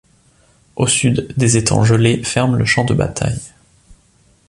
Au sud, des étangs gelés ferment le champ de bataille.